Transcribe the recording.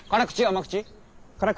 甘口？